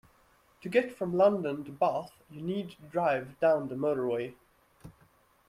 To get from London to Bath you need to drive down the motorway